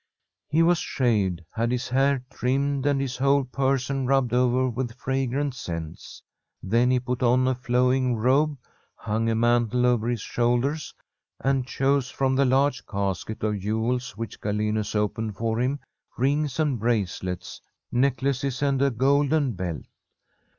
He was shaved, had his hair trimmed, and his whole person rubbed over with fragrant scents. Then he put on a flowing robe, hung a mantle over his shoulders, and chose from the large casket of jewels which Galenus opened for him rings and bracelets, necklaces, and a golden belt.